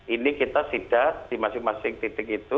ini kita sidat di masing masing titik itu